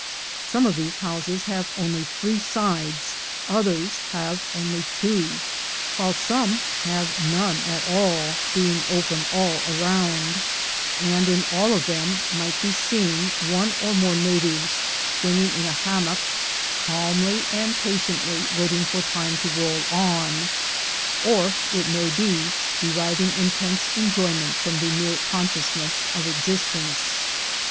Some of these houses have only three sides, others have only two, while some have none at all, being open all round; and in 32 THE GOLD HUNTERS all of them might be seen one or more natives swing ing in a hammock, calmly and patiently waiting for time to roll on, or, it may be, deriving intense enjoy ment from the mere consciousness of existence.